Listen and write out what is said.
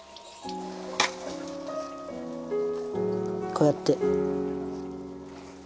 こうやって。